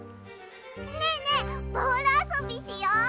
ねえねえボールあそびしよう！